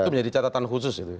itu menjadi catatan khusus gitu